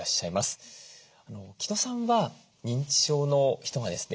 城戸さんは認知症の人がですね